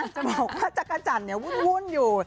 จะบอกว่าจักรจันทร์วุ่นอยู่